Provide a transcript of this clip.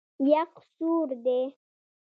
یخ سوړ دی.